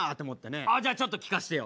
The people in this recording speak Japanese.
あじゃあちょっと聞かしてよ。